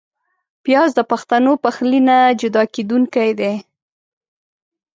پیاز د پښتو پخلي نه جدا کېدونکی دی